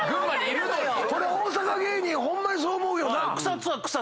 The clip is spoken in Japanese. これ大阪芸人ホンマにそう思うよな。